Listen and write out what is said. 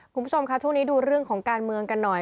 คุณผู้ชมค่ะช่วงนี้ดูเรื่องของการเมืองกันหน่อย